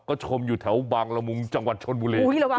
ก็ชมอยู่แถวบางระมุงชวนบุเร